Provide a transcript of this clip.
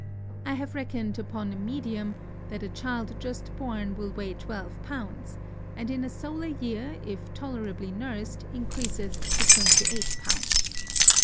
I have reckoned upon a medium, that a child just born will weigh 12 pounds, and in a solar year, if tolerably nursed, encreaseth to 28 pounds.